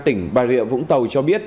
tỉnh bà rịa vũng tàu cho biết